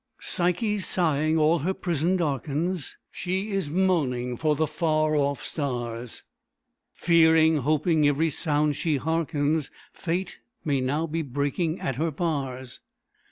"Psyche's sighing all her prison darkens; She is moaning for the far off stars; Fearing, hoping, every sound she hearkens Fate may now be breaking at her bars.